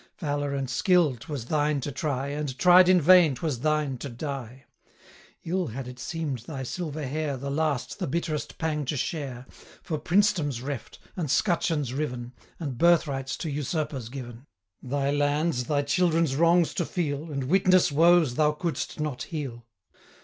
Valour and skill 'twas thine to try, 65 And, tried in vain, 'twas thine to die. Ill had it seem'd thy silver hair The last, the bitterest pang to share, For princedoms reft, and scutcheons riven, And birthrights to usurpers given; 70 Thy land's, thy children's wrongs to feel, And witness woes thou could'st not heal!